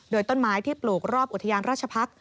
โดยต้นไม้ที่ปลูกรอบอุทยานราชพักษ์